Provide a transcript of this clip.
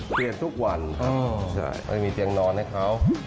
เกลี่ยุทุกวันครับคุณผู้ชายมีเตือนนอนให้เขา